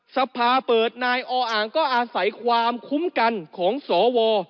สภาเปิดนายออ่างก็อาศัยความคุ้มกันของสว